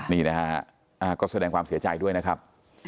นี่นะฮะก็แสดงความเสียใจด้วยนะครับ